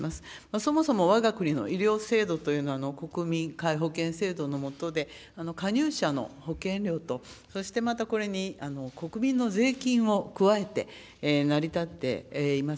そもそもわが国の医療制度というのは、国民皆保険制度のもとで、加入者の保険料と、そしてまたこれに国民の税金を加えて、成り立っています。